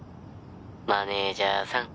マネジャーさん」